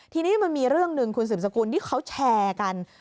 ทีนี้มันมีเรื่องหนึ่งคุณสืบสกุลที่เขาแชร์กัน